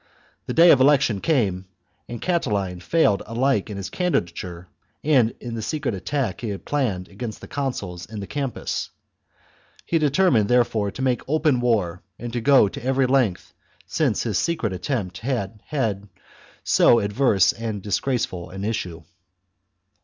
The day of election came, and Catiline failed alike in his candidature and in the secret attack he had THE CONSPIRACY OF CATILINE. 23 planned against the consuls in the Campus. He de chap. termined, therefore, to make open war and to go to every length, since his secret attempt had had so adverse and disgraceful an issue.